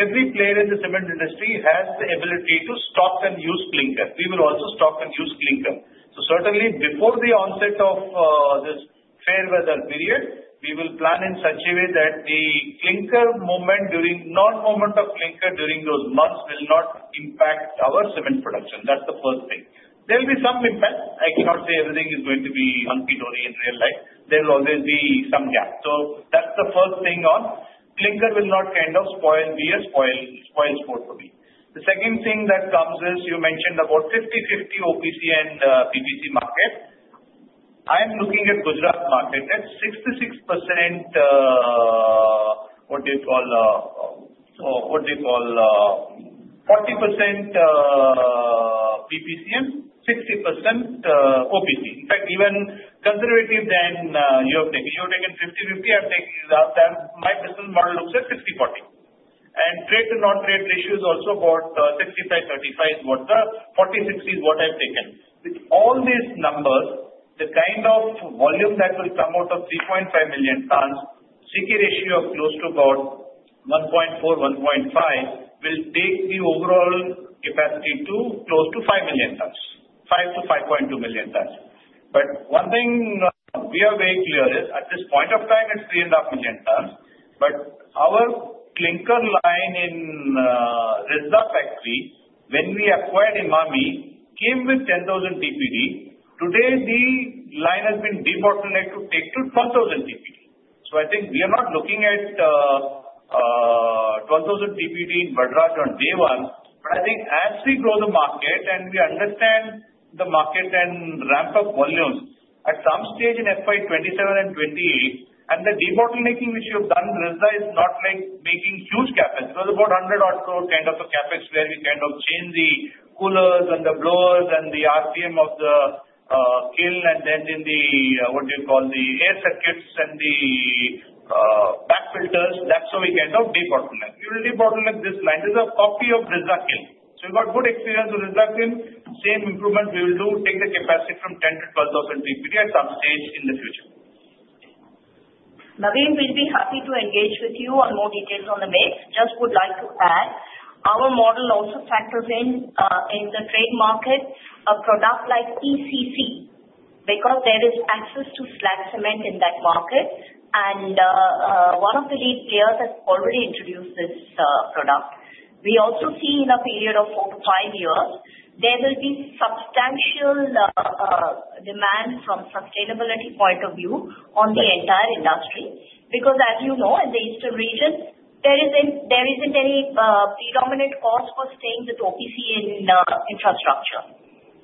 every player in the cement industry has the ability to stock and use clinker. We will also stock and use clinker. So certainly, before the onset of this fair weather period, we will plan in such a way that the clinker movement during non-movement of clinker during those months will not impact our cement production. That's the first thing. There will be some impact. I cannot say everything is going to be unequivocal only in real life. There will always be some gap. So that's the first thing on clinker. Clinker will not kind of be a spoilsport for me. The second thing that comes is you mentioned about 50/50 OPC and PPC market. I'm looking at Gujarat market at 60%, 40% PPC and 60% OPC. In fact, even more conservative than you have taken. You have taken 50/50. My business model looks at 60/40. And trade to non-trade ratio is also about 65/35, which is what I've taken. With all these numbers, the kind of volume that will come out of 3.5 million tonnes, C/K ratio of close to about 1.4-1.5 will take the overall capacity to close to five million tonnes, 5-5.2 million tonnes. But one thing we are very clear is at this point of time, it's 3.5 million tonnes. But our clinker line in Risda factory, when we acquired Emami, came with 10,000 TPD. Today, the line has been debottlenecked to take to 12,000 TPD. So I think we are not looking at 12,000 TPD in Vadraj on day one. But I think as we grow the market and we understand the market and ramp-up volumes, at some stage in FY 2027 and 2028, and the debottlenecking which you have done in Risda is not like making huge CapEx. It was about 100-odd crore kind of a CapEx where we kind of change the coolers and the blowers and the RPM of the kiln and then in the what do you call the air circuits and the bag filters. That's how we kind of de-bottleneck them. We will de-bottleneck like this line. This is a copy of Risda kiln. So we've got good experience with Risda kiln. Same improvement we will do, take the capacity from 10,000-12,000 TPD at some stage in the future. Navin will be happy to engage with you on more details on the mix. Just would like to add, our model also factors in the trade market a product like PSC because there is access to slag cement in that market. And one of the lead players has already introduced this product. We also see in a period of four to five years, there will be substantial demand from sustainability point of view on the entire industry because, as you know, in the eastern region, there isn't any predominant cost for staying with OPC in infrastructure.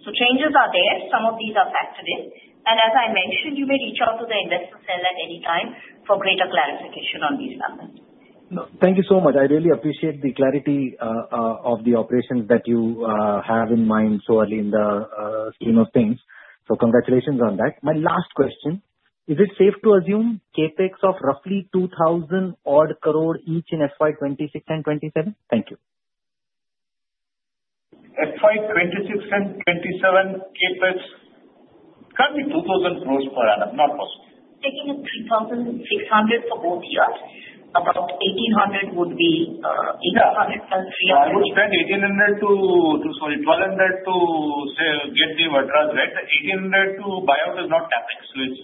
So changes are there. Some of these are factored in. And as I mentioned, you may reach out to the investor relations at any time for greater clarification on these numbers. Thank you so much. I really appreciate the clarity of the operations that you have in mind so early in the scheme of things. So congratulations on that. My last question, is it safe to assume CapEx of roughly 2,000-odd crore each in FY 2026 and FY 2027? Thank you. FY 2026 and 2027 CapEx? Currently, 2,000 crores per annum. Not possible. Taking 3,600 for both years, about 1,800 would be 800+300. Yeah. I would spend 1,800 to sorry, 1,200 to get the Vadraj deal. 1,800 to buy out is not CapEx. So it's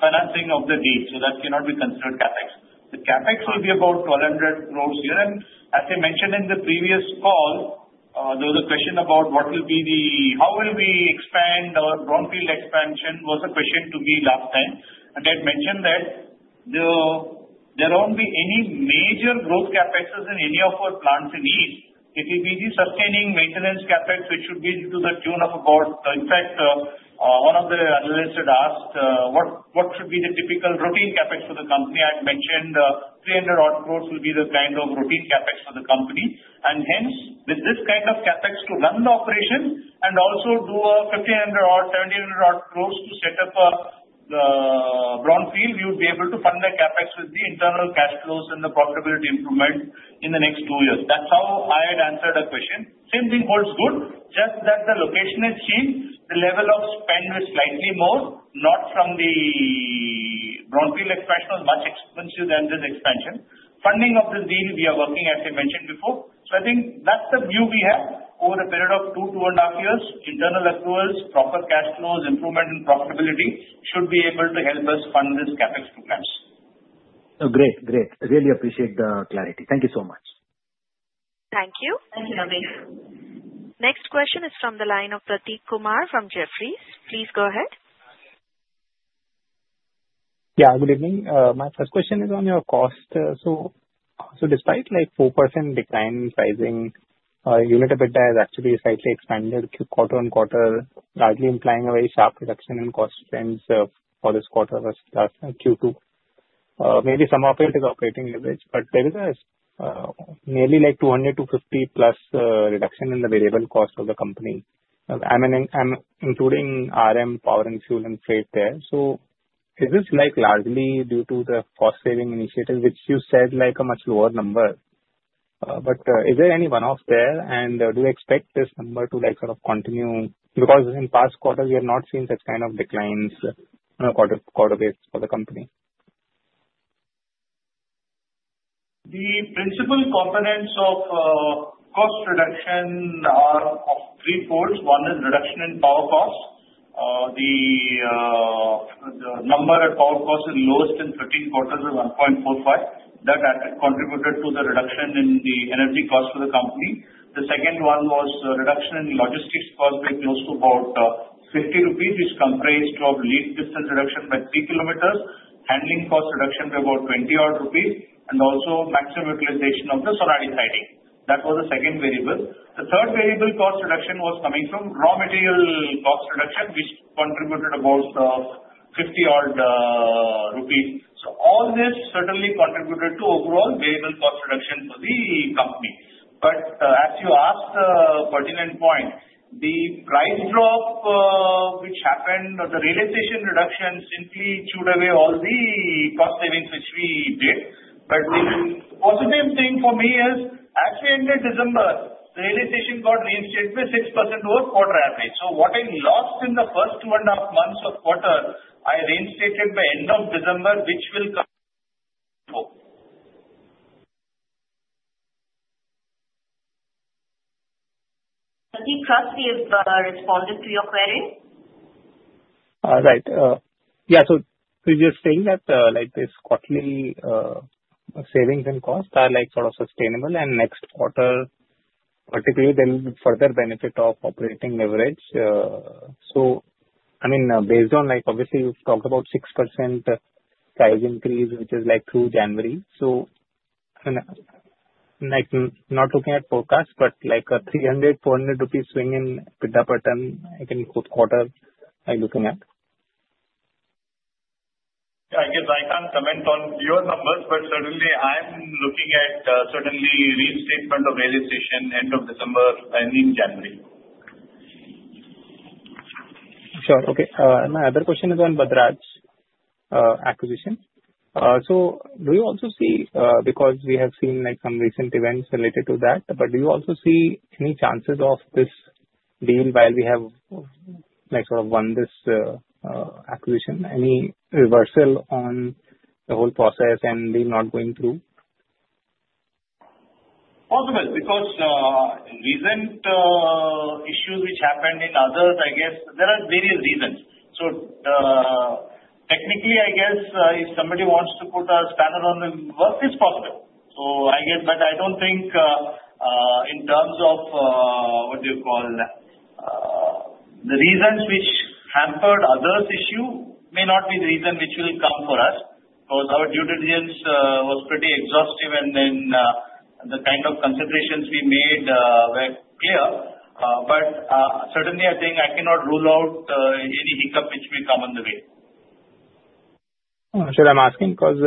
financing of the deal. So that cannot be considered CapEx. The CapEx will be about 1,200 crores here. And as I mentioned in the previous call, there was a question about what will be the how will we expand our brownfield expansion was the question to me last time. And I had mentioned that there won't be any major growth CapExes in any of our plants in East. It will be the sustaining maintenance CapEx, which should be to the tune of about. In fact, one of the analysts had asked, what should be the typical routine CapEx for the company? I had mentioned 300-odd crores will be the kind of routine CapEx for the company. And hence, with this kind of CapEx to run the operation and also do a 1,500-odd, 1,700-odd crores to set up a brownfield, we would be able to fund the CapEx with the internal cash flows and the profitability improvement in the next two years. That's how I had answered a question. Same thing holds good, just that the location is changed. The level of spend is slightly more. Note that the brownfield expansion was much more expensive than this expansion. Funding of this deal, we are working, as I mentioned before. So I think that's the view we have over the period of two, two and a half years. Internal accruals, proper cash flows, improvement in profitability should be able to help us fund this CapEx programs. So great. Great. Really appreciate the clarity. Thank you so much. Thank you. Thank you, Navin. Next question is from the line of Prateek Kumar from Jefferies. Please go ahead. Yeah. Good evening. My first question is on your cost. So despite 4% decline in pricing, EBITDA has actually slightly expanded quarter on quarter, largely implying a very sharp reduction in cost trends for this quarter of Q2. Maybe some of it is operating leverage, but there is a nearly 250+ reduction in the variable cost of the company. I'm including RM, power and fuel and freight there. So is this largely due to the cost-saving initiative, which you said a much lower number? But is there any one-off there, and do you expect this number to sort of continue? Because in past quarters, we have not seen such kind of declines on a quarter-on-quarter basis for the company. The principal components of cost reduction are of three folds. One is reduction in power cost. The number at power cost is lowest in 13 quarters of 1.45. That contributed to the reduction in the energy cost for the company. The second one was reduction in logistics cost by close to about 50 rupees, which comprised of lead distance reduction by three kilometers, handling cost reduction by about 20-odd rupees, and also maximum utilization of the rail siding. That was the second variable. The third variable cost reduction was coming from raw material cost reduction, which contributed about 50-odd rupees. So all this certainly contributed to overall variable cost reduction for the company. But as you asked the pertinent point, the price drop, which happened, the realization reduction simply chewed away all the cost savings which we did. But the positive thing for me is, as we entered December, the realization got reinstated by 6% over quarter average. So what I lost in the first two and a half months of quarter, I reinstated by end of December, which will come. Thank you. Prateek Kumar, have you responded to your query? Right. Yeah. So previous thing that this quarterly savings and cost are sort of sustainable, and next quarter, particularly, there will be further benefit of operating leverage. So I mean, based on obviously, we've talked about 6% price increase, which is through January. So not looking at forecast, but a 300-400 rupees swing in EBITDA per tonne in fourth quarter, I'm looking at. Yeah. I guess I can't comment on your numbers, but certainly, I'm looking at certainly reinstatement of realization end of December and in January. Sure. Okay. My other question is on Vadraj acquisition. So do you also see, because we have seen some recent events related to that, but do you also see any chances of this deal while we have sort of won this acquisition, any reversal on the whole process and deal not going through? Possible because recent issues which happened in others, I guess there are various reasons, so technically, I guess if somebody wants to put a spanner on the work, it's possible, so I guess, but I don't think in terms of what do you call the reasons which hampered others' issue may not be the reason which will come for us because our due diligence was pretty exhaustive, and then the kind of considerations we made were clear, but certainly, I think I cannot rule out any hiccup which may come on the way. So I'm asking because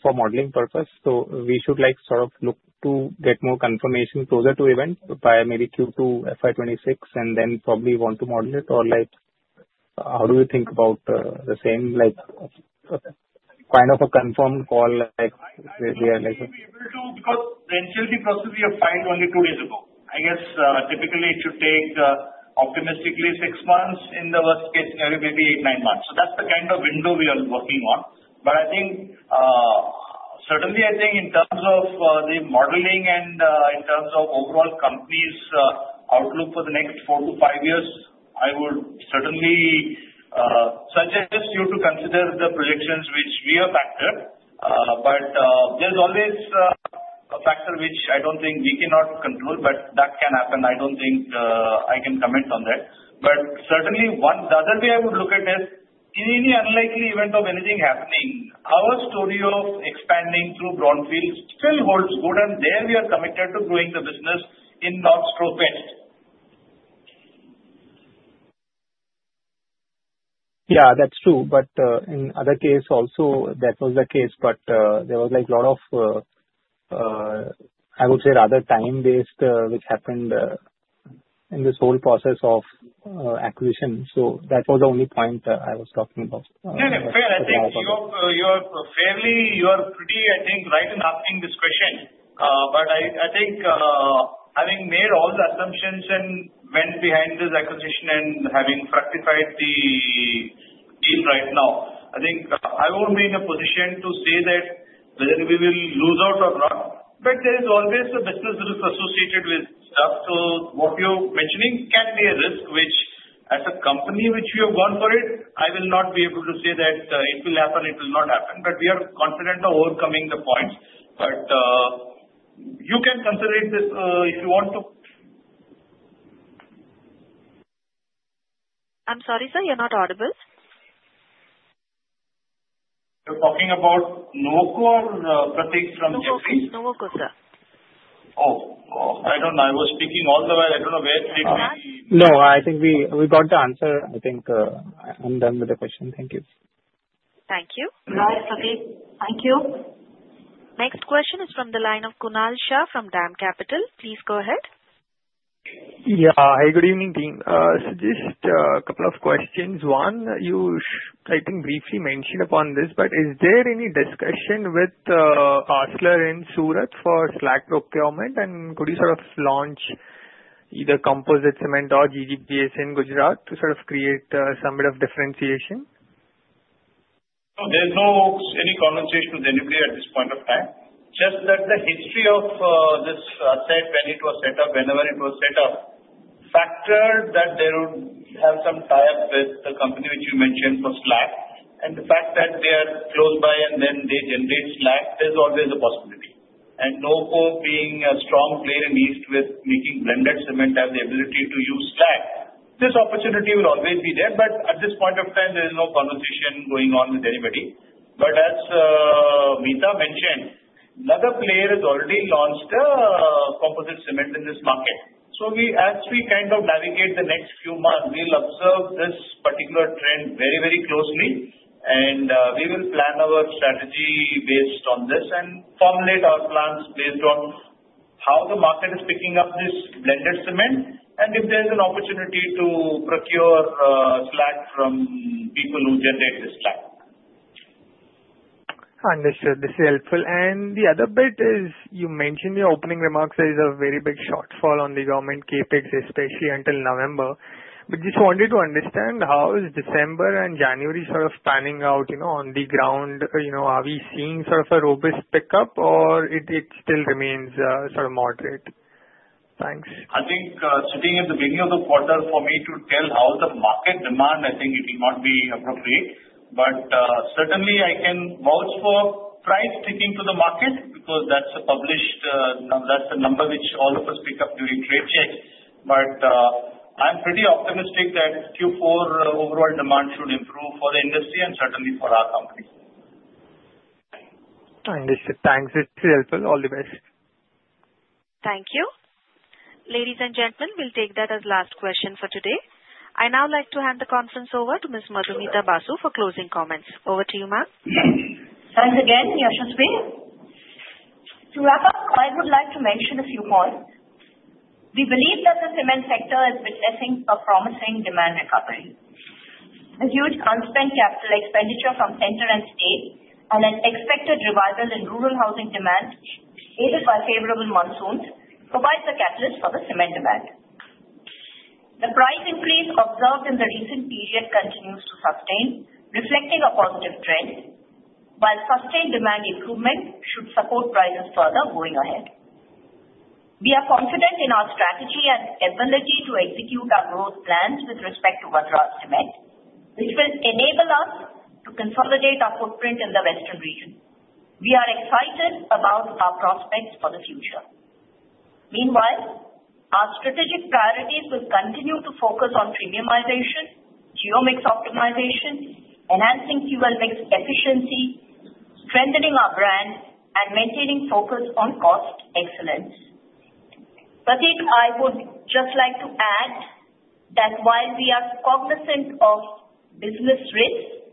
for modeling purposes, so we should sort of look to get more confirmation closer to the event by maybe Q2, FY 2026, and then probably want to model it? Or how do you think about the same kind of a confirmed call? It's difficult because the NCLT process we have filed only two days ago. I guess typically it should take optimistically six months. In the worst case, maybe eight, nine months. So that's the kind of window we are working on. But I think certainly, I think in terms of the modeling and in terms of overall company's outlook for the next four to five years, I would certainly suggest you to consider the projections which we have factored. But there's always a factor which I don't think we cannot control, but that can happen. I don't think I can comment on that. But certainly, the other way I would look at it is in any unlikely event of anything happening, our story of expanding through brownfield still holds good, and there we are committed to growing the business in North, South, West. Yeah, that's true. But in other case, also that was the case, but there was a lot of, I would say, rather time-based which happened in this whole process of acquisition. So that was the only point I was talking about. Fair. I think you are pretty right in asking this question. But I think having made all the assumptions and went behind this acquisition and having fructified the deal right now, I think I won't be in a position to say that whether we will lose out or not. But there is always a business risk associated with stuff. So what you're mentioning can be a risk, which as a company which we have gone for it, I will not be able to say that it will happen, it will not happen. But we are confident of overcoming the points. But you can consider it if you want to. I'm sorry, sir. You're not audible. You're talking about Nuvoco or Prateek from Jefferies? Nuvoco, sir. Oh, I don't know. I was speaking all the while. I don't know where it leaves me. No, I think we got the answer. I think I'm done with the question. Thank you. Thank you. Thank you. Next question is from the line of Kunal Shah from DAM Capital. Please go ahead. Yeah. Hi, good evening, team. Just a couple of questions. One, you I think briefly mentioned upon this, but is there any discussion with ArcelorMittal in Surat for slag procurement? And could you sort of launch either composite cement or PPCs in Gujarat to sort of create some bit of differentiation? There's no any conversation with anybody at this point of time. Just that the history of this asset when it was set up, whenever it was set up, factor that there would have some tie-up with the company which you mentioned for slag. The fact that they are close by and then they generate slag, there's always a possibility. Nuvoco being a strong player in East with making blended cement, have the ability to use slag, this opportunity will always be there. At this point of time, there is no conversation going on with anybody. As Mita mentioned, another player has already launched composite cement in this market. We kind of navigate the next few months, we'll observe this particular trend very, very closely. We will plan our strategy based on this and formulate our plans based on how the market is picking up this blended cement and if there's an opportunity to procure slag from people who generate this slag. Understood. This is helpful. And the other bit is you mentioned your opening remarks there is a very big shortfall on the government Capex, especially until November. But just wanted to understand how is December and January sort of panning out on the ground? Are we seeing sort of a robust pickup or it still remains sort of moderate? Thanks. I think, sitting at the beginning of the quarter, for me to tell how the market demand, I think it will not be appropriate. But certainly, I can vouch for price sticking to the market because that's a published number which all of us pick up during trade checks. But I'm pretty optimistic that Q4 overall demand should improve for the industry and certainly for our company. Understood. Thanks. It's helpful. All the best. Thank you. Ladies and gentlemen, we'll take that as last question for today. I now like to hand the conference over to Ms. Madhumita Basu for closing comments. Over to you, ma'am. Thanks again, Yashasvi. To wrap up, I would like to mention a few points. We believe that the cement sector is witnessing a promising demand recovery. The huge unspent capital expenditure from central and state and an expected revival in rural housing demand aided by favorable monsoons provides a catalyst for the cement demand. The price increase observed in the recent period continues to sustain, reflecting a positive trend, while sustained demand improvement should support prices further going ahead. We are confident in our strategy and ability to execute our growth plans with respect to Vadraj Cement, which will enable us to consolidate our footprint in the Western region. We are excited about our prospects for the future. Meanwhile, our strategic priorities will continue to focus on premiumization, geo-mix optimization, enhancing fuel mix efficiency, strengthening our brand, and maintaining focus on cost excellence. Prateek, I would just like to add that while we are cognizant of business risks,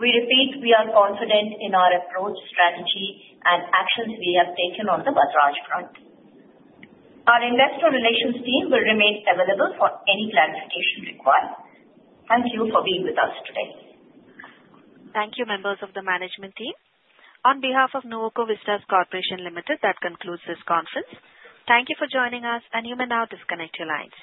we repeat, we are confident in our approach, strategy, and actions we have taken on the Vadraj front. Our investor relations team will remain available for any clarification required. Thank you for being with us today. Thank you, members of the management team. On behalf of Nuvoco Vistas Corporation Limited, that concludes this conference. Thank you for joining us, and you may now disconnect your lines.